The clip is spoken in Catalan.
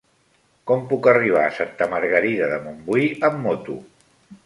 Com puc arribar a Santa Margarida de Montbui amb moto?